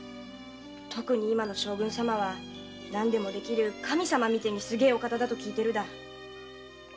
とくに今の将軍様は何でもできる神様みてぇな方だと聞いてるだ。